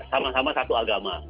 sama sama satu agama